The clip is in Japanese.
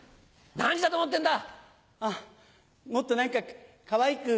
何時だと思ってんだ！